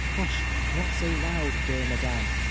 * Hush, not so loud, dear Madame